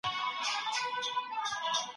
زه د خرما په خوړلو اخته یم.